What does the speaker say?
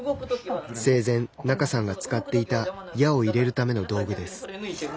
生前、仲さんが使っていた矢を入れるための道具です。